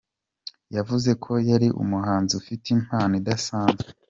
Yavuze ko yari umuhanzi ufite impano idasanzwe.